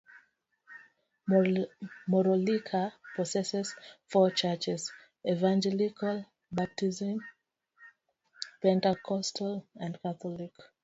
Morolica possesses four churches: Evangelical, Baptist, Pentecostal, and Catholic.